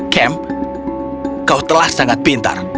kemp kau telah sangat pintar